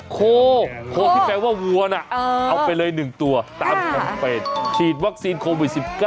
โคโคที่แปลว่าวัวน่ะเอาไปเลย๑ตัวตามคอนเฟสฉีดวัคซีนโควิด๑๙